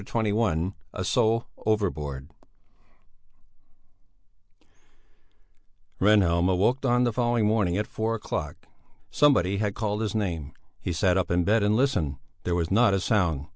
CHAPTER XXI A SOUL OVERBOARD Rehnhjelm awoke on the following morning at four o'clock; somebody had called his name. He sat up in bed and listened there was not a sound.